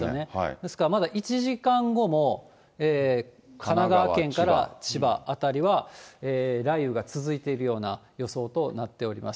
ですから、まだ１時間後も神奈川県から千葉辺りは雷雨が続いているような予想となっております。